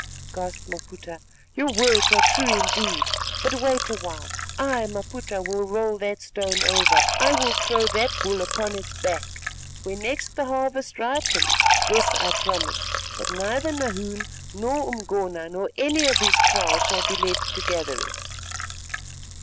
gasped Maputa; "your words are true indeed. But wait a while. I, Maputa, will roll that stone over, I will throw that bull upon its back. When next the harvest ripens, this I promise, that neither Nahoon nor Umgona, nor any of his kraal shall be left to gather it."